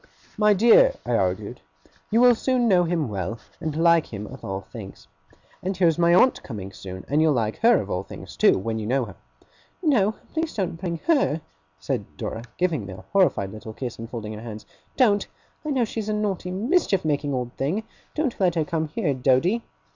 'My dear,' I argued, 'you will soon know him well, and like him of all things. And here is my aunt coming soon; and you'll like her of all things too, when you know her.' 'No, please don't bring her!' said Dora, giving me a horrified little kiss, and folding her hands. 'Don't. I know she's a naughty, mischief making old thing! Don't let her come here, Doady!